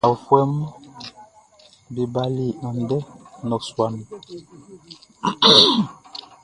Aofuɛʼm be bali andɛ ndɔsua nun.